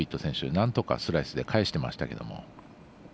なんとかスライスで返してましたけど。